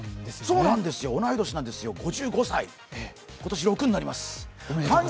同い年なんですよ、５５歳、今年５６になります。